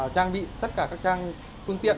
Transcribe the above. trang bị tất cả các trang phương tiện